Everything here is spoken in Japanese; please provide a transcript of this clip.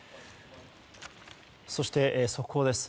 そして、速報です。